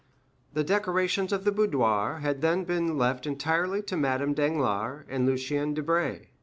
The decorations of the boudoir had then been left entirely to Madame Danglars and Lucien Debray.